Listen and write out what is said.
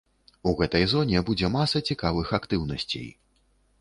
У гэтай зоне будзе маса цікавых актыўнасцей.